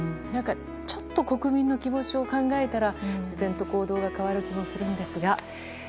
ちょっと国民の気持ちを考えたら自然と行動が変わる気もするんですが。